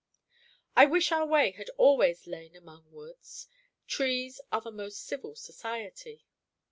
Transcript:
I wish our way had always lain among woods. Trees are the most civil society.